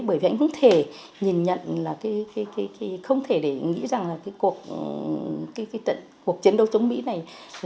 bởi vì anh không thể nhìn nhận không thể để nghĩ rằng cuộc chiến đấu chống mỹ này